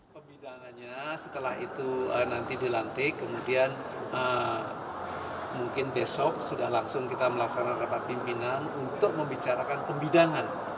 pembidangannya setelah itu nanti dilantik kemudian mungkin besok sudah langsung kita melaksanakan rapat pimpinan untuk membicarakan pembidangan